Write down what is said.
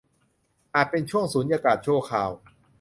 อาจเป็นช่วงสุญญากาศชั่วคราว